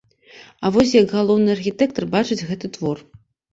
А вось як галоўны архітэктар бачыць гэты твор.